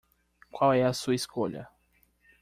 Qual é a sua escolha?